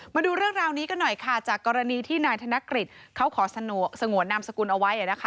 มาดูเรื่องราวนี้กันหน่อยค่ะจากกรณีที่นายธนกฤษเขาขอสงวนนามสกุลเอาไว้นะคะ